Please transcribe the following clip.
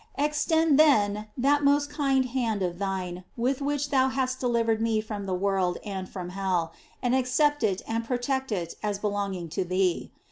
Extend, then, that most kind hand of thine with which thou hast delivered me from the world and from hell, and accept it and protect it as belonging to thee.